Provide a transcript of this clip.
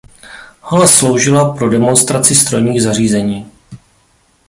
Hala sloužila pro demonstraci strojních zařízení.